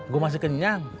gue masih kenyang